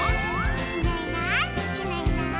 「いないいないいないいない」